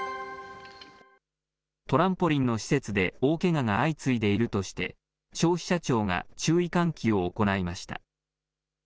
トランポリンの施設で大けがが相次いでいるとして、消費者庁が注意喚起を行いました。